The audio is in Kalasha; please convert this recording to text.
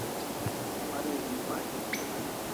Wareg'in pay